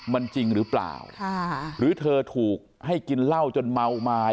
มันจริงหรือเปล่าหรือเธอถูกให้กินเหล้าจนเมาไม้